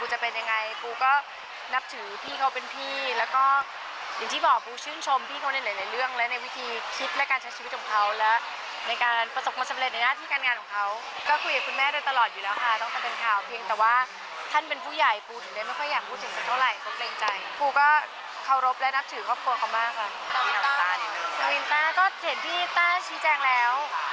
เห็นพี่ต้าชี้แจงแล้ว